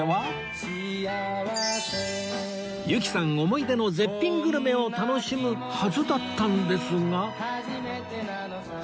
思い出の絶品グルメを楽しむはずだったんですが